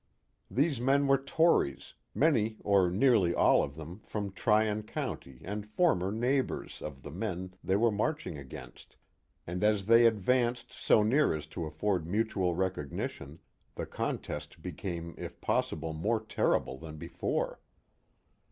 These men were Tories, many or nearly all o( them from Tryon County and former neighbors of the men they were marching against, and as they advanced so near as ^ to afford mutual recognition, the contest became if possible | more terrible than before.